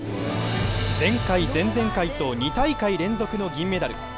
前回、前々回と２大会連続の銀メダル。